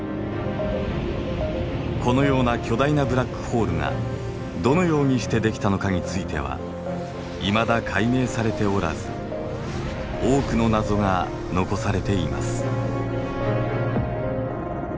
このような巨大なブラックホールがどのようにしてできたのかについてはいまだ解明されておらず多くの謎が残されています。